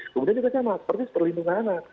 kemudian juga sama persis perlindungan anak